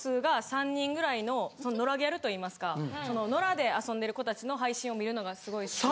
野良ギャルといいますか野良で遊んでる子たちの配信を見るのがすごい好きで。